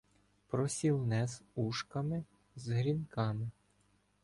Просілне з ушками,з грінками